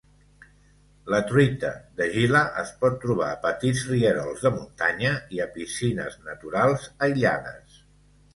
La truita de Gila es pot trobar a petits rierols de muntanya i a piscines naturals aïllades.